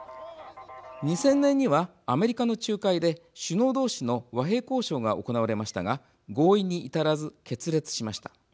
２０００年にはアメリカの仲介で首脳同士の和平交渉が行われましたが合意に至らず決裂しました。